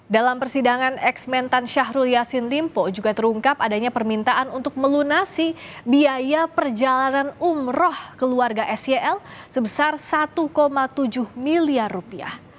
dalam persidangan eks mentan syahrul yassin limpo juga terungkap adanya permintaan untuk melunasi biaya perjalanan umroh keluarga sel sebesar satu tujuh miliar rupiah